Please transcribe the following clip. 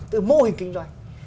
từ mô hình kinh doanh